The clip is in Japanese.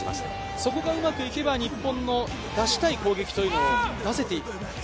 そこがうまくいけば日本の出したい攻撃というのも出せていく。